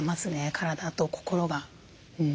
体と心が。